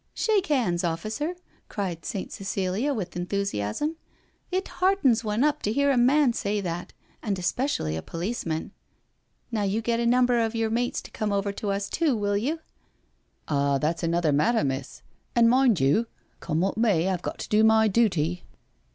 " Shake hands, officer," cried Saint Cecilia with enthusiasm. " It heartens one up to hear a man say that, and especially a policeman. Now you get a number of your mates to come over to us too— will you?" " Ah, that's another matter, miss— ^and mind you, come what may I've got to do my dooty."